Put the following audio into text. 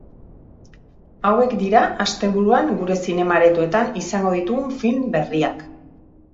Hauek dira asteburuan gure zinema aretoetan izango ditugun film berriak.